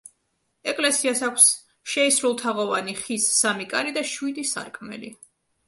ეკლესიას აქვს შეისრულთაღოვანი ხის სამი კარი და შვიდი სარკმელი.